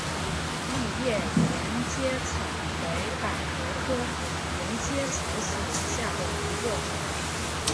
丽叶沿阶草为百合科沿阶草属下的一个种。